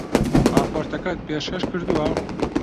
ڕاپۆرتەکەت پێشکەش کردووە؟